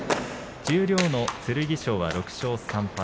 十両の剣翔は６勝３敗。